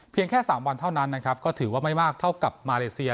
เพียงแค่สามวันเท่านั้นก็ถือว่าไม่มากเท่ากับมาเลสเซีย